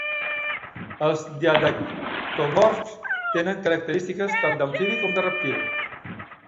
Els diadectomorfs tenen característiques tant d'amfibi com de reptil.